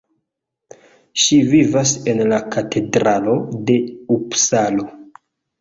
Ŝi vivas en la Katedralo de Upsalo.